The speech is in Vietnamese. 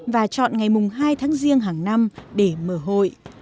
và chọn ngày mùng hai tháng riêng hàng năm để mở hội